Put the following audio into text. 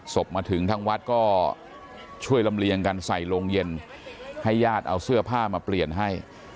ศพมาถึงทางวัดก็ช่วยลำเลียงกันใส่โรงเย็นให้ญาติเอาเสื้อผ้ามาเปลี่ยนให้